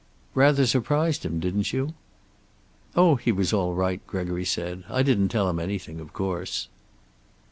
"Rather surprised him, didn't you?" "Oh, he was all right," Gregory said. "I didn't tell him anything, of course."